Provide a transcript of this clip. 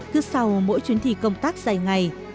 cứ sau mỗi chuyến thị công tác dài ngày